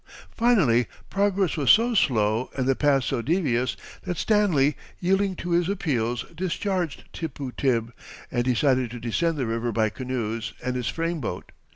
Finally, progress was so slow and the path so devious that Stanley, yielding to his appeals, discharged Tippu Tib and decided to descend the river by canoes and his frame boat.